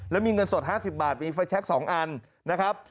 แล้วมีเงินสด๕๐บาทมีไฟแชค๒อันนะครับ